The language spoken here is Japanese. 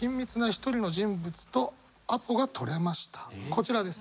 こちらです。